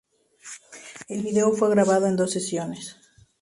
El vídeo fue grabado en dos sesiones.